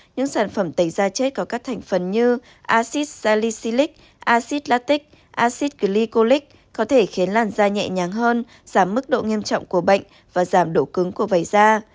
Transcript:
những sản phẩm tẩy da chết có các thành phần như acid zalesylic acid latic acid gliconic có thể khiến làn da nhẹ nhàng hơn giảm mức độ nghiêm trọng của bệnh và giảm độ cứng của vẩy da